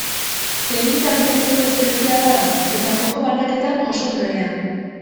Teknika bikaineko ezkertiarra da eta joko banaketan oso trebea.